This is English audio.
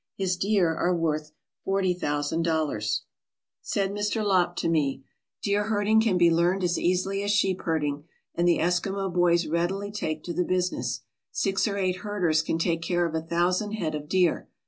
His deer are worth forty thousand dollars. Said Mr. Lopp to me: "Deer herding can be learned as easily as sheep herding, and the Eskimo boys readily take to the business. Six or eight herders can take care of a thousand head of deer.